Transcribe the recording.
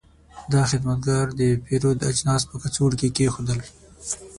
دا خدمتګر د پیرود اجناس په کڅوړو کې کېښودل.